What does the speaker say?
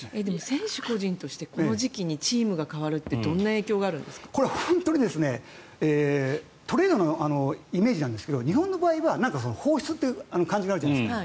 選手個人としてこの時期にチームが変わるってこれは本当にトレードのイメージなんですが日本の場合は放出っていう感じがあるじゃないですか。